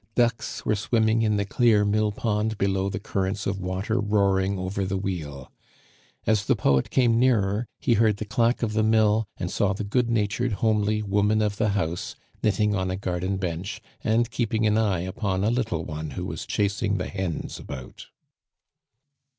Ducks were swimming in the clear mill pond below the currents of water roaring over the wheel. As the poet came nearer he heard the clack of the mill, and saw the good natured, homely woman of the house knitting on a garden bench, and keeping an eye upon a little one who was chasing the hens about.